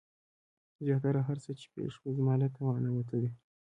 زياته هر څه چې پېښه شوه زما له توانه وتلې.